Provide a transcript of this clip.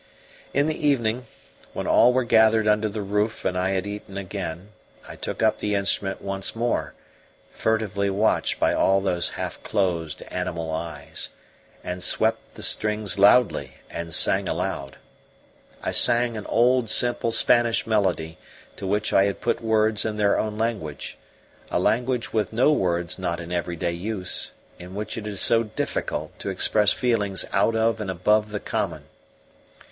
In the evening, when all were gathered under the roof and I had eaten again, I took up the instrument once more, furtively watched by all those half closed animal eyes, and swept the strings loudly, and sang aloud. I sang an old simple Spanish melody, to which I had put words in their own language a language with no words not in everyday use, in which it is so difficult to express feelings out of and above the common.